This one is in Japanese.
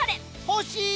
欲しい！